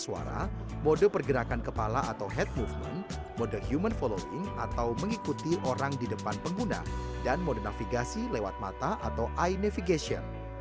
suara mode pergerakan kepala atau head movement mode human following atau mengikuti orang di depan pengguna dan mode navigasi lewat mata atau eye navigation